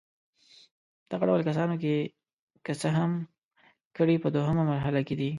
دغه ډول کسانو که څه ښه کړي په دوهمه مرحله کې دي.